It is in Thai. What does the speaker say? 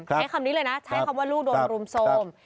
ใช้คำนี้เลยนะใช้คำว่าลูกโดนรุมโทรม